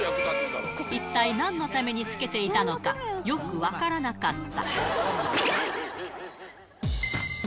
一体、なんのためにつけていたのかよく分からなかった。